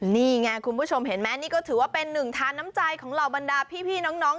นี่ไงคุณผู้ชมเห็นไหมนี่ก็ถือว่าเป็นหนึ่งทานน้ำใจของเหล่าบรรดาพี่น้อง